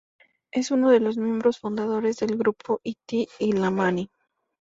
Es uno de los miembros fundadores del grupo Inti Illimani.